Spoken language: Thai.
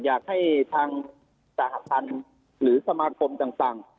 อยากให้ทางสหพันธ์หรือสมาคมต่าง